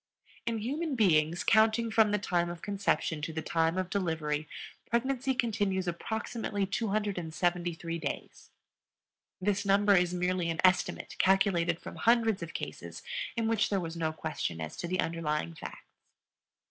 In human beings, counting from the time of conception to the time of delivery, pregnancy continues approximately 273 days. This number is merely an estimate calculated from hundreds of cases in which there was no question as to the underlying facts.